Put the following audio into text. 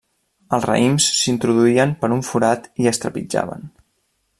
Els raïms s'introduïen per un forat i es trepitjaven.